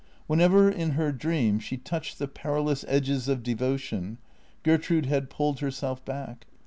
Whenever, in her dream, she touched the perilous edges of devotion, Gertrude had pulled herself back.